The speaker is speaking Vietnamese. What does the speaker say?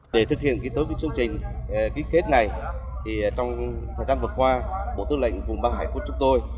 để thực hiện tốt chương trình ký kết này trong thời gian vừa qua bộ tư lệnh vùng ba hải quân chúng tôi